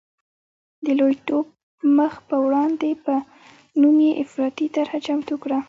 د لوی ټوپ مخ په وړاندې په نوم یې افراطي طرحه چمتو کړه.